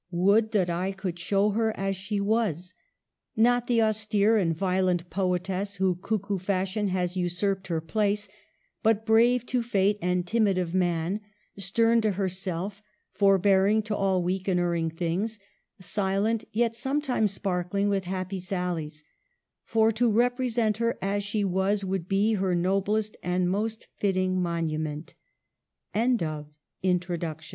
Would that I could show her as she was !— not the austere and violent poetess who, cuckoo fashion, has usurped her place ; but brave to fate and timid of man ; stern to herself, forbearing, to all weak and erring things ; silent, yet sometimes sparkling with happy sallies. For to represent her as she was would be her noblest and most fitting monument.